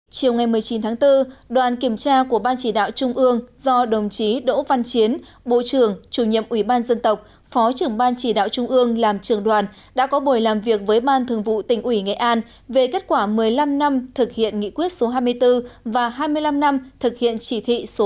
chiều ngày một mươi chín tháng bốn đoàn kiểm tra của ban chỉ đạo trung ương do đồng chí đỗ văn chiến bộ trưởng chủ nhiệm ủy ban dân tộc phó trưởng ban chỉ đạo trung ương làm trưởng đoàn đã có buổi làm việc với ban thường vụ tỉnh ủy nghệ an về kết quả một mươi năm năm thực hiện nghị quyết số hai mươi bốn và hai mươi năm năm thực hiện chỉ thị số một mươi